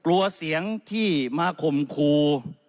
กลัวเสียงที่มาข่มครู